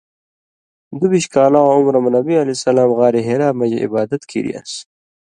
دُوۡبیۡش کالہ واں عمرہ مہ نبی علیہ السلام غارِ حرا مَژ عِبادت کیریان٘س؛